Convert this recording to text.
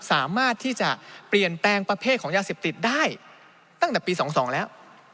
สามารถที่จะเปลี่ยนแปลงประเภทของยาเสพติดได้ตั้งแต่ปี๒๒แล้ว